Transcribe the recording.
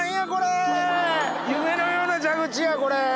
夢のような蛇口やこれ。